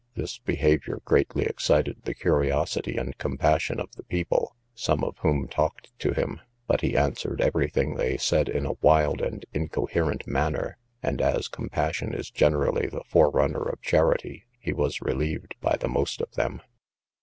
This behaviour greatly excited the curiosity and compassion of the people, some of whom talked to him, but he answered every thing they said in a wild and incoherent manner; and, as compassion is generally the forerunner of charity, he was relieved by the most of them.